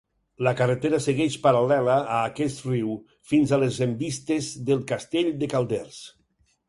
La carretera segueix paral·lela a aquest riu fins a les envistes del Castell de Calders.